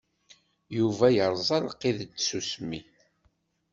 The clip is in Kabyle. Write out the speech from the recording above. Yuba yeṛẓa lqid n tsusmi.